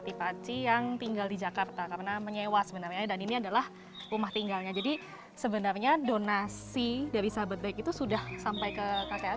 kisah selanjutnya adalah perjuang keluarga lain yang tak pernah berhenti menyerah meski diusia senja